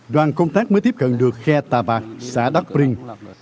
đoàn công tác mới tiếp cận được khe tà bạc xã đắk brinh